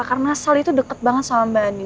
karena sal itu deket banget sama mbak anin